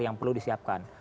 yang perlu disiapkan